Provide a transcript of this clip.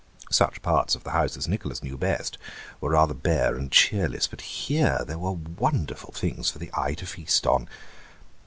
Such parts of the house as Nicholas knew best were rather bare and cheerless, but here there were wonderful things for the eye to feast on.